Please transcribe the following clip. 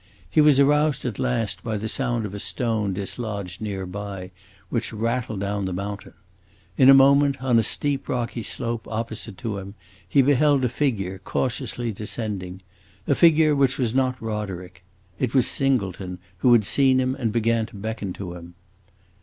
He was aroused at last by the sound of a stone dislodged near by, which rattled down the mountain. In a moment, on a steep, rocky slope opposite to him, he beheld a figure cautiously descending a figure which was not Roderick. It was Singleton, who had seen him and began to beckon to him.